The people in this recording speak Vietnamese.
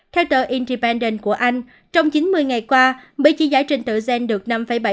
theo tờ independent của anh trong chín mươi ngày qua mỹ chỉ giải trình tựa gen được năm bảy